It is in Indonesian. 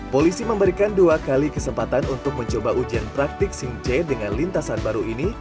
polisi memberikan dua kali kesempatan untuk mencoba ujian praktik sim c dengan lintasan baru ini